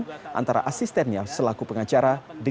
dan tidak bisa dikonsultasi